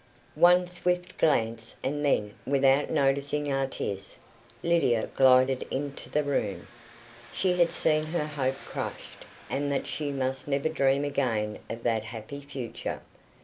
One swift glance, and then, without noticing Artis, Lydia glided into the room. She had seen her hope crushed, and that she must never dream again of that happy future.